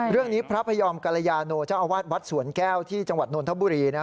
เรื่องนี้พระพยอมกัลยานูเจ้าอาวาสวัสดิ์สวนแก้วที่จังหวัดนทบุรีนะ